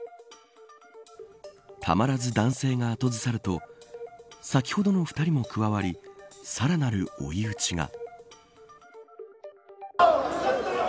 たまらず男性が後ずさると先ほどの２人も加わりさらなる追い打ちが。